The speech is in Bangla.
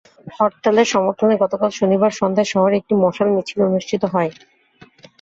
হরতালের সমর্থনে গতকাল শনিবার সন্ধ্যায় শহরে একটি মশাল মিছিল অনুষ্ঠিত হয়।